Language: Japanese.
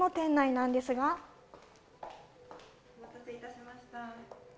なんお待たせいたしました。